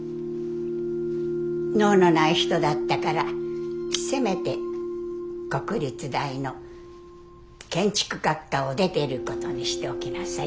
能のない人だったからせめて国立大の建築学科を出てることにしておきなさいって。